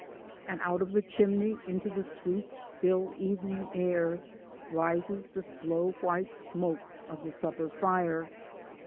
And out of the chimney into the sweet, still evening air rises the slow white smoke of the supper fire.